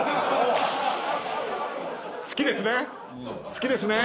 好きですね？